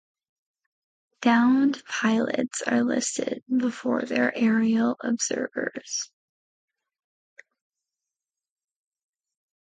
Downed pilots are listed before their aerial observers.